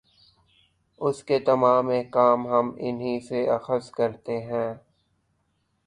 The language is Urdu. اُس کے تمام احکام ہم اِنھی سے اخذ کرتے ہیں